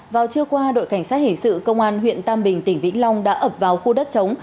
vào trưa qua đội cảnh sát hình sự công an huyện tam bình tỉnh vĩnh long đã ập vào khu đất chống